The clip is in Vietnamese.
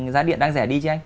giá điện đang rẻ đi chứ anh